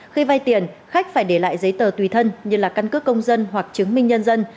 khi vay tiền khách phải để lại giấy tờ tùy thân như là căn cước công dân hoặc chứng minh nhân dân